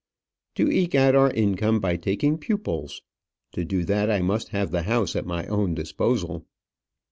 " To eke out our income by taking pupils. To do that, I must have the house at my own disposal."